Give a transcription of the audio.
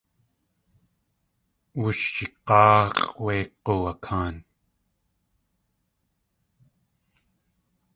Wushig̲áax̲ʼ wé g̲uwakaan.